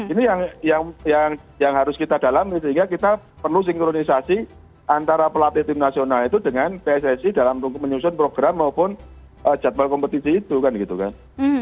ini yang harus kita dalami sehingga kita perlu sinkronisasi antara pelatih tim nasional itu dengan pssi dalam menyusun program maupun jadwal kompetisi itu kan gitu kan